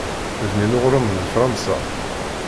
Bnin uɣṛum n Fṛansa.